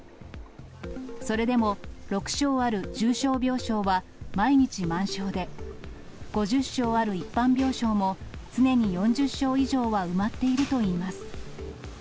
それでも、６床ある重症病床は毎日満床で、５０床ある一般病床も、常に４０床以上は埋まっているといいます。